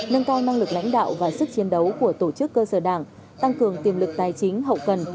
nâng cao năng lực lãnh đạo và sức chiến đấu của tổ chức cơ sở đảng tăng cường tiềm lực tài chính hậu cần